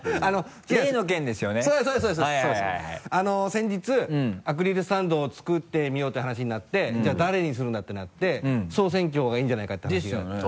先日アクリルスタンドを作ってみようという話になってじゃあ誰にするんだ？ってなって総選挙がいいんじゃないかって話が。ですよね。